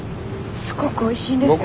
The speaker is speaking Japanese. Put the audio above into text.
すごくおいしいんですよ。